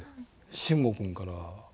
春吾君から。